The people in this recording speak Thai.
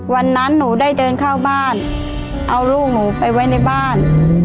วันนั้นหนูได้เดินเข้าบ้านเอาลูกหนูไปไว้ในบ้าน